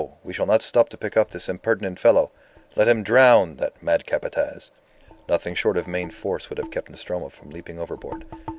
We shall not stop to pick up this impertinent fellow. Let him drown that mad Capataz." Nothing short of main force would have kept Nostromo from leaping overboard.